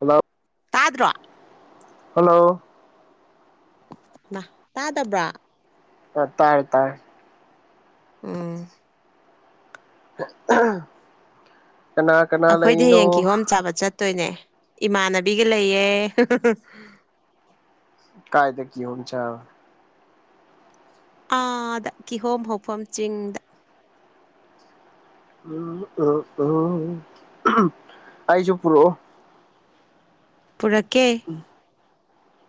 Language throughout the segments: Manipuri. ꯍꯜꯂꯧ ꯇꯥꯗ꯭ꯔꯣ ꯍꯜꯂꯣ ꯑ ꯇꯥꯗꯕ꯭ꯔꫭ ꯇꯥꯔꯦ ꯇꯥꯔ‌ꯦ ꯎꯝ ꯀꯅꯥ ꯀꯅꯥ ꯑꯩꯈꯣꯏꯗꯤ ꯂꯩꯅꯣ ꯍꯌꯦꯡ ꯀꯤꯍꯣꯝ ꯆꯥꯕ ꯆꯠꯇꯣꯏꯅꯦ ꯏꯃꯥꯟꯅꯕꯤꯒ ꯂꯩꯌꯦ ꯀꯥꯏꯗ ꯀꯤꯍꫭꯝ ꯆꯥꯕ ꯑꯥꯗ ꯀꯤꯍꯣꯝ ꯍꯧꯐꯝ ꯆꯤꯡꯗ ꯎꯝ ꯎꯝ ꯎꯝ ꯑꯩꯁꯨ ꯄꯨꯔꯛꯑꫭ ꯄꯨꯔꯛꯀꯦ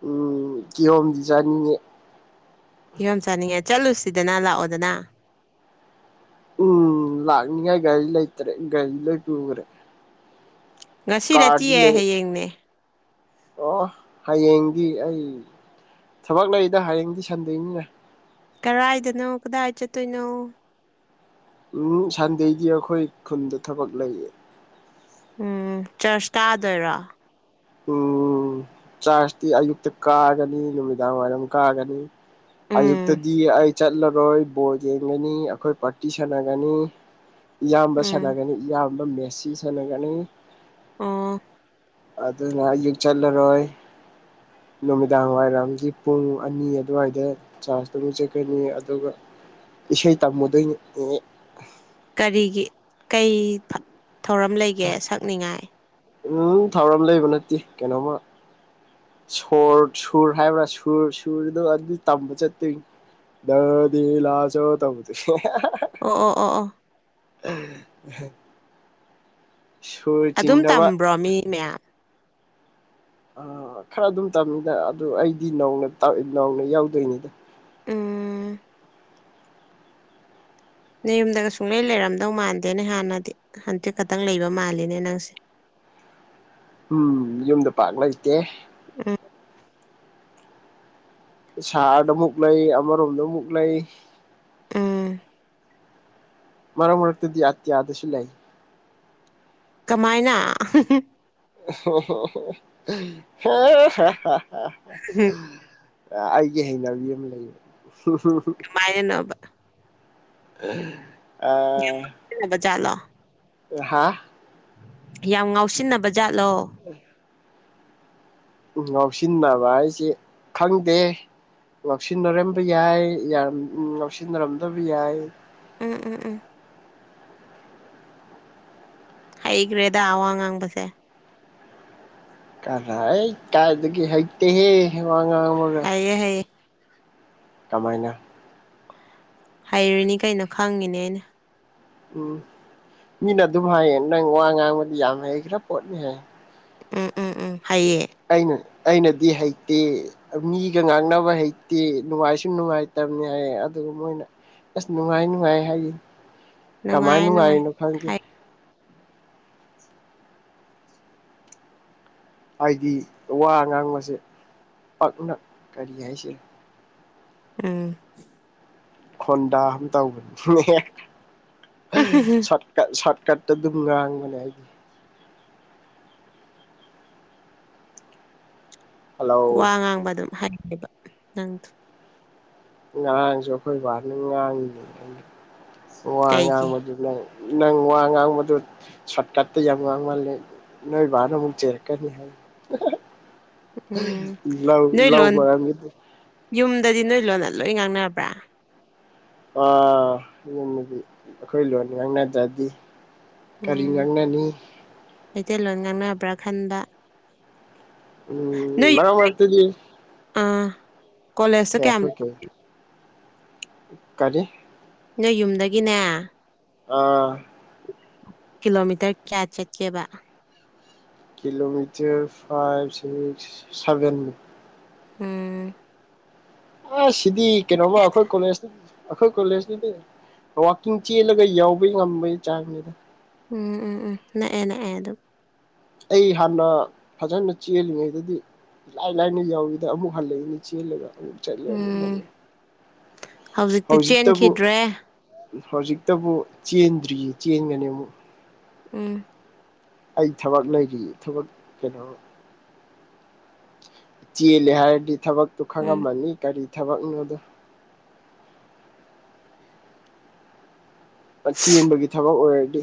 ꯎꯝ ꯀꯤꯍꯣꯝꯗꯤ ꯆꯥꯅꯤꯡꯉꯦ ꯐꯤꯕꯝ ꯆꯥꯅꯤꯡꯉꯦ ꯆꯠꯂꯨꯁꯤꯗꯅ ꯂꯥꯛꯑꯣꯗꯅ ꯎꯝ ꯂꯥꯛꯅꯤꯉꯥꯏ ꯒꯥꯔꯤ ꯂꯩꯇꯔ‌ꯦ ꯒꯥꯔꯤ ꯂꫭꯏ ꯄꯨꯒ꯭ꯔꯦ ꯉꯁꯤ ꯅꯠꯇꯤꯑꯦ ꯂꯩ ꯍꯌꯦꯡꯅꯦ ꯑꯣ ꯍꯌꯦꯡꯗꯤ ꯑꯩ ꯊꯕꯛ ꯂꯩꯔꯤꯗ ꯍꯌꯦꯡꯗꯤ ꯁꯟꯗ‌ꯦꯅꯤꯅ ꯀꯗꯥꯥꯏꯏꯗꯅꯣ ꯀꯗꯥꯏ ꯆꯠꯇꯣꯏꯅꯣ ꯎꯝ ꯁꯟꯗꯩꯗꯤ ꯑꯩꯈꯣꯏ ꯈꯨꯟꯗ ꯊꯕꯛ ꯂꯩꯌꯦ ꯎꯝ ꯆꯔꯆ ꯇꯥꯗꯣꯏꯔꯣ ꯎꯝ ꯆꯥꯥꯁꯇꯤ ꯑꯌꯨꯛꯇ ꯀꯥꯒꯅꯤ ꯅꯨꯃꯤꯗꯥꯡ ꯋꯥꯏꯔꯝ ꯀꯥꯒꯅꯤ ꯎꯝ ꯑꯌꯨꯛꯇꯗꯤ ꯑꯩ ꯆꯠꯂꯔꯣꯏ ꯕꯣꯜ ꯌꯦꯡꯒꯅꯤ ꯑꯩꯈꯣꯏ ꯄꯥꯔꯇꯤ ꯁꯥꯟꯅꯒꯅꯤ [unintelligible] ꯏꯌꯥꯝꯕ ꯎꯝ ꯁꯥꯟꯅꯒꯅꯤ ꯏꯌꯥꯝꯕ ꯃꯦꯁꯤ ꯁꯥꯟꯅꯒꯅꯤ ꯑꯥ ꯑꯗꯨꯅ ꯌꯦꯛ ꯆꯠꯂꯔꯣꯏ ꯅꯨꯃꯤꯗꯥꯡ ꯋꯥꯏꯔꯝꯒꯤ ꯄꯨꯡ ꯑꯅꯤ ꯑꯗꯨꯋꯥꯏꯗ ꯆꯥꯔꯖꯇꯨꯃꯤ ꯆꯠꯀꯅꯤ ꯑꯗꯨꯒ ꯏꯁꯩ ꯇꯝꯃꯨꯗꯣꯏꯅꯤ ꯑꯦꯑꯦ ꯀꯔꯤꯒꯤ ꯀꯩ ꯊꯧꯔꯝ ꯂꯩꯒꯦ ꯁꯛꯅꯤꯡꯉꯥꯏ ꯎꯝ ꯊꯧꯔꯝ ꯂꯩꯕ ꯅꯠꯇꯦ ꯀꯩꯅꯣꯝꯃ ꯁꯣꯔ ꯁꯨꯔ ꯍꯥꯏꯕ꯭ꯔꯥ ꯁꯨꯔ ꯁꯨꯔꯗꯣ ꯑꯗꯨ ꯇꯝꯕ ꯆꯠꯇꯣꯏꯅꯤ ꯗꯗꯤ ꯂꯥ ꯆꯣ ꯇꯕꯗꯨ ꯑꯣ ꯑꯣ ꯑꯣ ꯑꯣ ꯑ ꯍ ꯑꯗꯨꯝ ꯆꯤꯡꯅꯕ ꯇꯝꯕ꯭ꯔꯣ ꯃꯤ ꯃꯌꯥꯝ ꯑ ꯈꯔ ꯑꯗꯨꯝ ꯇꯝꯃꯤꯗ ꯑꯗꯨ ꯑꯩꯗꯤ ꯅꯧꯅ ꯇ ꯅꯧꯅ ꯌꯥꯎꯗꯣꯏꯅꯤꯗ ꯎꯝꯍ ꯅ ꯌꯨꯝꯗꯒ ꯁꯨꯡꯂꯩ ꯂꯩꯔꯝꯗꯧ ꯃꯥꯟꯗꯦꯅꯦ ꯍꯥꯟꯅꯗꯤ ꯍꯟꯇꯛ ꯈꯛꯇꯪ ꯂꯩꯕ ꯃꯥꯜꯂꯤꯅꯦ ꯅꯪꯁꯦ ꯎꯝ ꯌꯨꯝꯗ ꯄꯥꯛ ꯂꯩꯇꯦ [unintelligible] ꯁꯍꯔꯗ ꯑꯃꯨꯛ ꯂꯩ ꯑꯃꯔꯣꯝꯗ ꯑꯃꯨꯛ ꯂꯩ ꯑꯥ ꯃꯔꯛ ꯃꯔꯛꯇꯗꯤ ꯑꯇꯤꯌꯥ ꯗꯁꯨ ꯂꯩ ꯀꯃꯥꯏꯅ [unintelligible] ꯍ ꯍ ꯍ ꯍ ꯑ ꯑꯩꯒꯤ ꯍꯩꯅꯕꯤ ꯑꯃ ꯂꯩꯌꯦ ꯍꯝ ꯍꯝ ꯍꯝ ꯀꯃꯥꯏꯅ ꯅꯣꯕ ꯑꯍ ꯌꯥꯝ ꯉꯥꯎꯁꯤꯟꯅꯕ ꯖꯥꯠꯂꯣ ꯔꯍꯥ ꯌꯥꯝ ꯉꯥꯎꯁꯤꯟꯅꯕ ꯖꯥꯠꯂꯣ [unintelligible] ꯎꯝ ꯉꯥꯎꯁꯤꯟꯅꯕ ꯍꯥꯏꯁꯦ ꯈꯪꯗꯦ ꯉꯥꯎꯁꯤꯟꯅꯔꯝꯕ ꯌꯥꯏ ꯌꯥꯔꯝ ꯉꯥꯎꯁꯤꯟꯅꯔꯝꯗꯕ ꯌꯥꯏ ꯎꯝ ꯎꯝ ꯎꯝ ꯍꯩꯒ꯭ꯔꯦꯗ ꯑꯋꯥ ꯉꯥꯡꯕꯁꯦ ꯀꯃꯥꯏꯇ ꯀꯥꯏꯗꯒꯤ ꯍꯩꯇꯦꯍꯦ ꯋꯥ ꯉꯥꯡꯕꯒ ꯍꯌꯦ ꯍꯌꯦ ꯀꯃꯥꯏꯅ ꯍꯩꯔꯤꯅꯤ ꯀꯩꯅꯣ ꯈꯪꯉꯤꯅꯦ ꯑꯩꯅ ꯎꯝ ꯃꯤꯅ ꯑꯗꯨꯝ ꯍꯥꯏꯌꯦ ꯅꯪ ꯋꯥ ꯉꯥꯡꯕꯗꯤ ꯌꯥꯝ ꯍꯩꯈ꯭ꯔꯥ ꯄꯣꯠꯅꯤ ꯍꯥꯏꯌꯦ ꯎꯝ ꯎꯝ ꯎꯝ ꯍꯏꯌꯦ ꯑꯩꯅ ꯑꯩꯅꯗꯤ ꯍꯩꯇꯦ ꯃꯤꯒ ꯉꯥꯡꯅꯕ ꯍꯩꯇꯦ ꯅꯨꯡꯉꯥꯏꯁꯨ ꯅꯨꯡꯉꯥꯏꯇꯕꯅꯤ ꯍꯥꯏꯌꯦ ꯑꯗꯨ ꯃꯣꯏꯅ ꯑꯁ ꯅꯨꯡꯉꯥꯏ ꯅꯨꯡꯉꯥꯏ ꯍꯥꯏꯌꯦ ꯀꯃꯥꯏ ꯅꯨꯡꯉꯥꯏ ꯅꯨꯡꯉꯥꯏ ꯅꯨꯡꯉꯥꯏꯔꯤꯅꯣ ꯈꯪꯗꯦ ꯍꯥꯏ ꯍꯥꯏꯗꯤ ꯋꯥ ꯉꯥꯡꯕꯁꯦ ꯄꯛꯅ ꯀꯔꯤ ꯍꯥꯏꯁꯤꯒꯦ ꯎꯝ ꯈꯣꯟꯗꯥ ꯑꯃꯝ ꯇꯧꯕꯅꯤꯅꯦꯠ ꯁꯠ ꯀꯠ ꯀꯠꯇ ꯑꯗꯨꯝ ꯉꯥꯡꯕꯅꯦ ꯑꯩꯗꯤ ꯋꯥ ꯍꯜꯂꯣ ꯉꯥꯡꯕ ꯑꯗꯨꯝ ꯍꯩꯌꯦꯕ ꯅꯪꯗꯨ ꯅꯥꯍꯟꯁꯨ ꯑꯈꯣꯏ ꯕꯥꯅ ꯉꯥꯡꯉꯤꯅꯦ ꯋꯥ ꯀꯩꯒꯤ ꯉꯥꯡꯕꯗꯤꯃꯩ ꯅꯪ ꯋꯥ ꯉꯥꯡꯕꯗꯨ ꯁꯣꯠ ꯀꯠꯇ ꯌꯥꯝ ꯉꯥꯡꯃꯜꯂꯦ ꯅꯣꯏ ꯕꯅ ꯑꯃꯨꯛ ꯆꯩꯔꯛꯀꯅꯤ [unintelligible] ꯎꯝ [unintelligible] ꯂꯧ ꯅꯣꯏ ꯂꯧ ꯂꯣꯟ ꯌꯨꯝꯗꯗꯤ ꯅꯣꯏ ꯂꯣꯟꯅ ꯂꯣꯏ ꯉꯥꯡꯅꯕ꯭ꯔꯥ ꯑꯥ ꯌꯨꯝꯗꯗꯤ ꯑꯩꯈꯣꯏ ꯂꯣꯟ ꯉꯥꯡꯅꯗ꯭ꯔꯗꯤ ꯀꯔꯤ ꯎꯝ ꯉꯪꯅꯅꯤ ꯃꯩꯇꯩꯂꯣꯟ ꯉꯥꯡꯅꯕ꯭ꯔꯥ ꯈꯟꯕ ꯎꯝ ꯅꯣꯏ ꯃꯔꯛ ꯃꯔꯛꯇꯗꯤ ꯑꯥ ꯀꯣꯂꯦꯖ ꯀꯩ ꯀꯌꯥꯝ ꯑꯩꯈꯣꯏ ꯀꯩ ꯀꯔꯤ ꯅꯣꯏ ꯌꯨꯝꯗꯒꯤꯅꯦ ꯑꯥ ꯀꯤꯂꯣꯃꯤꯇꯔ ꯀꯌꯥ ꯆꯠꯀꯦꯕ ꯀꯤꯂꯣꯃꯤꯇꯔ ꯐꯥꯏꯚ ꯁꯤꯛꯁ ꯁꯚꯦꯟ ꯃꯨꯛ ꯎꯝ ꯑꯁ ꯁꯤꯗꯤ ꯀꯩꯅꯣꯃ ꯑꯩꯈꯣꯏ ꯀꯣꯂꯦꯁ ꯑꯩꯈꯣꯏ ꯀꯣꯂꯦꯖꯇꯗꯤ ꯋꯥꯀꯤꯡ ꯆꯦꯜꯂꯒ ꯌꯥꯎꯕ ꯉꯝꯕꯒꯤ ꯆꯥꯡꯅꯤꯗ ꯎꯝ ꯎꯝ ꯎꯝ ꯅꯛꯑꯦ ꯅꯛꯑꯦ ꯑꯗꯨꯝ ꯑꯩ ꯍꯥꯟꯅ ꯐꯖꯅ ꯆꯦꯜꯂꯤꯉꯩꯗꯗꯤ ꯂꯥꯏ ꯂꯥꯏꯅ ꯌꯧꯢꯗ ꯑꯃꯨꯛ ꯍꯜꯂꯛꯏꯅꯤ ꯆꯦꯜꯂꯒ ꯑꯃꯨꯛ ꯆꯠꯂꯦ ꯑꯃꯨꯛ ꯍ ꯎꯝ ꯍꯧꯖꯤꯛꯇꯤ ꯍꯧꯖꯤꯛꯇꯕꯨ ꯆꯦꯟꯈꯤꯗ꯭ꯔꯦ ꯍꯧꯖꯤꯛꯇꯕꯨ ꯆꯦꯟꯗ꯭ꯔꯤꯌꯦ ꯆꯦꯟꯒꯅꯤ ꯑꯃꯨꯛ ꯎꯝ ꯑꯩ ꯊꯕꯛ ꯂꯩꯔꯤ ꯊꯕꯛ ꯀꯩꯅꯣ ꯆꯦꯜꯂꯦ ꯍꯥꯏꯔꯗꯤ ꯊꯕꯛꯇꯨ ꯎꯝ ꯈꯪꯉꯝꯃꯅꯤ ꯀꯔꯤ ꯊꯕꯛꯅꯣꯗ ꯃꯆꯦꯟꯕꯒꯤ ꯊꯕꯛ ꯑꯣꯏꯔꯗꯤ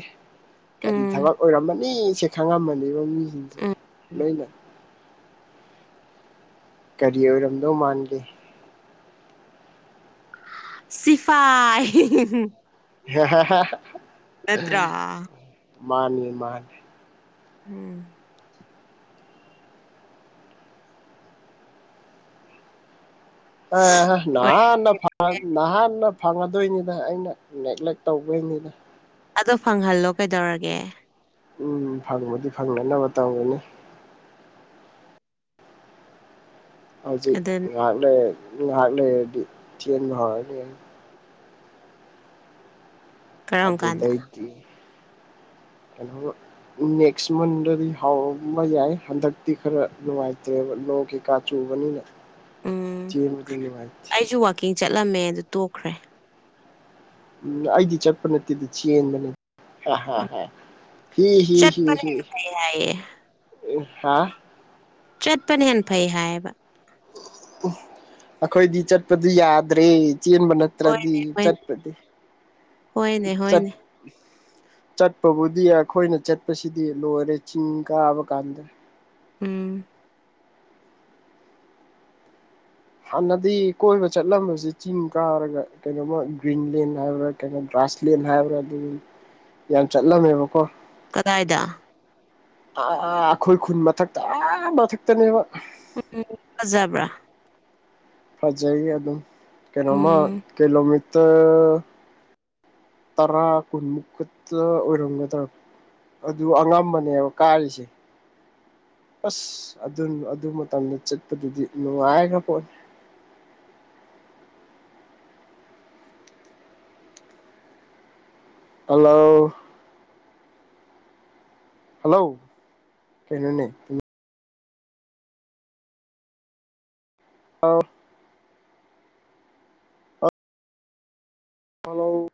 ꯀꯔꯤ ꯎꯝ ꯊꯕꯛ ꯑꯣꯏꯔꯝꯃꯅꯤ ꯁꯦ ꯈꯪꯉꯝꯃꯅꯤꯕ ꯃꯤ ꯎꯝ ꯂꯣꯏꯅ ꯀꯔꯤ ꯑꯣꯏꯔꯝꯗꯧ ꯃꯥꯟꯒꯦ ꯁꯤꯐꯥꯏ [unintelligible] ꯍꯦꯍꯦꯍꯦ ꯅꯠꯇ꯭ꯔꯥ ꯃꯥꯅꯤ ꯃꯥꯅꯤ ꯎꯝ ꯑꯦꯍꯦ ꯑꯣꯏ ꯅꯍꯥꯟꯅ ꯐꯪꯉꯝꯅꯦ ꯅꯍꯥꯟꯅ ꯐꯪꯉꯝ ꯗꯣꯏꯅꯤꯗ ꯑꯩꯅ ꯅꯦꯒ꯭ꯂꯦꯛ ꯇꯧꯕꯣꯏꯅꯤꯗ ꯑꯗꯣ ꯐꯪꯍꯜꯂꯣ ꯀꯩꯗꯧꯔꯒꯦ ꯎꯝ ꯐꯪꯕꯗꯤ ꯐꯪꯅꯅꯕ ꯇꯧꯒꯅꯤ ꯍꯧꯖꯤꯛ ꯑꯗꯨꯅꯤ ꯉꯥꯏꯍꯥꯛ ꯂꯩꯔ ꯉꯥꯏꯍꯥꯛ ꯂꯩꯔꯗꯤ ꯆꯦꯟꯕ ꯍꯧꯔꯅꯤ ꯀꯔꯝ ꯀꯥꯟꯗ ꯑꯗꯨꯗꯩꯗꯤ ꯀꯩꯅ ꯅꯦꯛꯁ ꯃꯟꯗꯗꯤ ꯍꯥꯎꯝꯕ ꯌꯥꯏ ꯍꯟꯗꯛꯇꯤ ꯈꯔ ꯅꯨꯡꯉꯥꯏꯇ꯭ꯔꯦꯕ ꯅꯣ ꯀꯩꯀꯥ ꯆꯨꯕꯅꯤꯅ [inaudible] ꯆꯦꯟꯕꯗꯨꯢ ꯋꯥꯊꯤ ꯀꯤꯡ ꯆꯠꯂꯝꯃꯦ ꯑꯗꯨ ꯇꯣꯛꯈ꯭ꯔꯦ ꯎꯝ ꯑꯩꯗꯤ ꯆꯠꯄ ꯅꯠꯇꯦꯗꯤ ꯆꯦꯟꯕꯅꯤ ꯎꯝ [unintelligible] ꯆꯠꯄꯅ ꯍꯥꯏꯌꯦ [unintelligible] ꯆꯠꯄꯅ ꯍꯦꯟ ꯐꯩ ꯍꯥꯏꯌꯦꯕ ꯎꯝ ꯑꯩꯈꯣꯏꯗꯤ ꯆꯠꯄꯗꯨ ꯌꯥꯗ꯭ꯔꯦ ꯆꯦꯟꯕ ꯅꯠ ꯇꯔꯗꯤ ꯍꯣꯏꯅꯦ ꯍꯣꯏꯅꯦ ꯆꯠꯄꯗꯤ ꯍꯣꯏꯅꯦ ꯍꯣꯏꯅꯦ ꯆꯠ ꯆꯠꯄꯕꯨꯗꯤ ꯌꯥ ꯑꯩꯈꯣꯏꯅ ꯆꯠꯄꯁꯤꯗꯤ ꯂꯣꯏꯔꯦ ꯆꯤꯡ ꯀꯥꯕ ꯀꯥꯟꯗ ꯎꯝ ꯍꯥꯟꯅꯗꯤ ꯀꯣꯏꯕ ꯆꯠꯂꯝꯕꯁꯤ ꯆꯤꯡ ꯀꯥꯔꯒ ꯀꯩꯅꯣꯝꯃ ꯒ꯭ꯔꯤꯟꯂꯦꯟ ꯍꯥꯏꯕ꯭ꯔꯥ ꯀꯩꯅꯣ ꯒ꯭ꯔꯥꯁꯂꯦꯟ ꯍꯥꯏꯕ꯭ꯔꯥ ꯑꯗꯨꯗꯤ ꯌꯥꯝ ꯆꯠꯂꯝꯃꯦꯕꯀꯣ ꯀꯗꯥꯏꯗ ꯑꯥ ꯑꯩꯈꯣꯏ ꯈꯨꯟ ꯃꯊꯛꯇ ꯑꯥ ꯃꯊꯛꯇꯅꯦꯕ ꯎꯝ ꯎꯝ ꯐꯖꯕ꯭ꯔꯥ ꯐꯖꯩꯌꯦ ꯑꯗꯨꯝ ꯀꯩꯅꯣꯃ ꯎꯝ ꯀꯤꯂꯣꯃꯤꯇꯔ ꯇꯔꯥ ꯀꯨꯟꯃꯨꯛ ꯈꯛꯇ ꯑꯣꯏꯔꯝꯒꯗ꯭ꯔ ꯑꯗꯨ ꯑꯉꯝꯕꯅꯦꯕ ꯀꯥꯔꯤꯁꯦ ꯑꯁ ꯑꯗꯨ ꯑꯗꯨ ꯃꯇꯝꯗ ꯆꯠꯄꯗꯨꯗꯤ ꯅꯨꯉꯥꯏꯈ ꯄꯣꯠꯅꯤ ꯍꯜꯂꯥꯎ ꯍꯂꯧ ꯀꯩꯅꯣꯅꯦ [unintelligible] ꯍꯥꯂꯧ